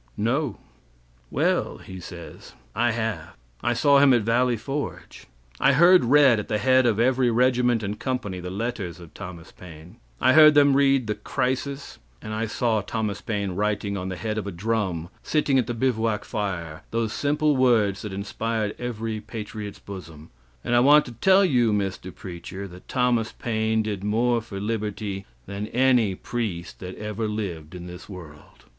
"No." "Well," he says, "I have; I saw him at Valley Forge. I heard read at the head of every regiment and company the letters of Thomas Paine. I heard them read the 'Crisis,' and I saw Thomas Paine writing on the head of a drum, sitting at the bivouac fire, those simple words that inspired every patriot's bosom, and I want to tell you Mr. Preacher, that Thomas Paine did more for liberty than any priest that ever lived in this world."